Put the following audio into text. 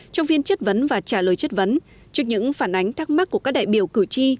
trong phiên chất vấn và trả lời chất vấn trước những phản ánh thắc mắc của các đại biểu cử tri